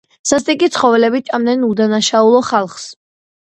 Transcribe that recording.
სასტიკი ცხოველები ჭამდნენ უდანაშაულო ხალხს.